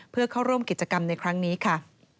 เพื่อเข้าร่วมกิจกรรมในครั้งนี้ค่ะ